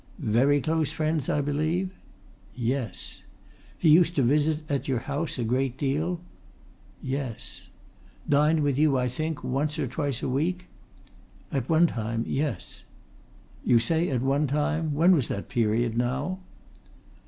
"Very close friends, I believe?" "Yes." "He used to visit at your house a great deal?" "Yes." "Dine with you, I think, once or twice a week?" "At one time yes." "You say at one time? When was that period, now?"